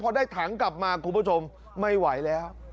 พอได้ถังกลับมาคุณผู้ชมไม่ไหวแล้ว